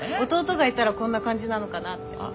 弟がいたらこんな感じなのかなって。